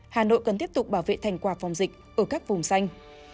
hà nội cần tiếp tục bảo vệ thành quả phòng dịch ở các vùng xanh